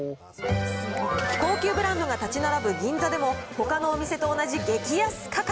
高級ブランドが建ち並ぶ銀座でも、ほかのお店と同じ激安価格。